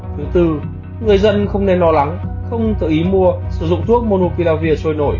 thứ bốn người dân không nên lo lắng không tự ý mua sử dụng thuốc monupiravir trôi nổi